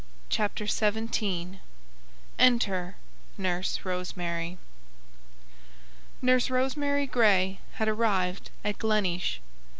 CHAPTER XVII ENTER NURSE ROSEMARY Nurse Rosemary Gray had arrived at Gleneesh.